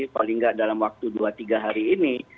paling nggak dalam waktu dua tiga hari ini